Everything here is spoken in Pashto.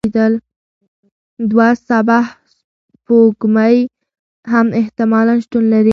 دوه شبح سپوږمۍ هم احتمالاً شتون لري.